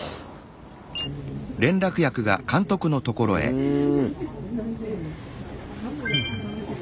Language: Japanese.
うん。